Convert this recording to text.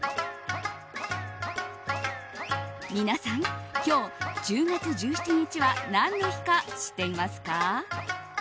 皆さん、今日１０月１７日は何の日か知っていますか？